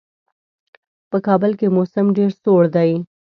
په کابل کې موسم ډېر سوړ دی.